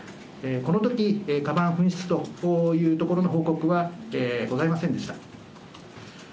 このときかばん紛失というところの報告はございませんでした。